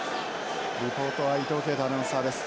リポートは伊藤慶太アナウンサーです。